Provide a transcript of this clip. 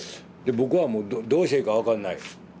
で僕はもうどうしていいか分かんない。